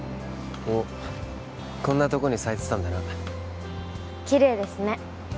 おっこんなとこに咲いてたんだなキレイですね